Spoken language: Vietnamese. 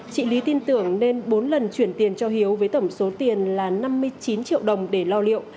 chị lý tin tưởng nên bốn lần chuyển tiền cho hiếu với tổng số tiền là năm mươi chín triệu đồng để lo liệu